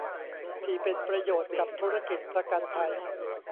ที่เป็นประโยชน์กับธุรกิจประกันภัย